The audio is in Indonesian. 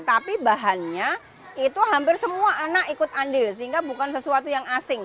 tapi bahannya itu hampir semua anak ikut andil sehingga bukan sesuatu yang asing